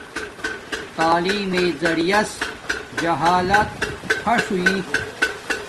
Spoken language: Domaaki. تعیلم میے زریعس جہالت فݽ ہوݵݵ